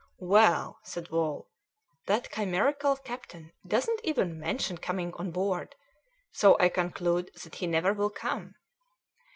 "Well," said Wall, "this chimerical captain doesn't even mention coming on board, so I conclude that he never will come."